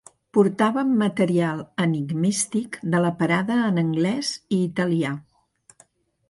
Portàvem material enigmístic de la parada en anglès i italià.